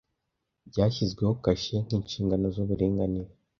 byashyizweho kashe nkinshingano zuburinganire